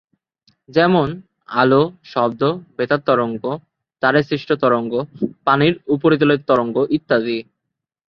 যেমনঃ আলো, শব্দ, বেতার তরঙ্গ, তারে সৃষ্ট তরঙ্গ, পানির উপরিতলের তরঙ্গ ইত্যাদি।